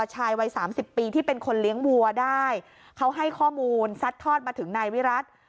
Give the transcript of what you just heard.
ชายวัยสามสิบปีที่เป็นคนเลี้ยงวัวได้เขาให้ข้อมูลซัดทอดมาถึงนายวิรัติ